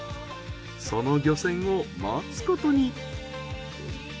その漁船を待つことに。